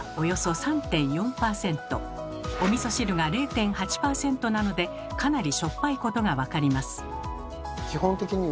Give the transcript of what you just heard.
おみそ汁が０．８％なのでかなりしょっぱいことがわかります。